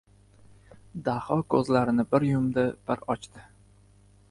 Daho ko‘zlarini bir yumdi-bir ochdi.